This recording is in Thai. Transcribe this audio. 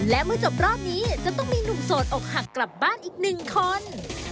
และเมื่อจบรอบนี้จะต้องมีหนุ่มโสดอกหักกลับบ้านอีกหนึ่งคน